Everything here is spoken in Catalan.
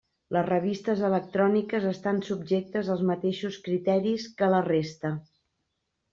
Les revistes electròniques estan subjectes als mateixos criteris que la resta.